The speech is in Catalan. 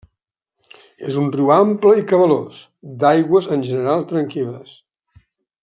És un riu ample i cabalós, d'aigües en general tranquil·les.